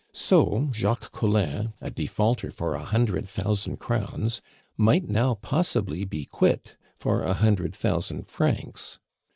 So Jacques Collin, a defaulter for a hundred thousand crowns, might now possibly be quit for a hundred thousand francs.